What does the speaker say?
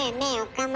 岡村。